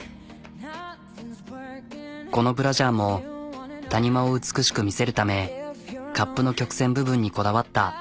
このブラジャーも谷間を美しく見せるためカップの曲線部分にこだわった。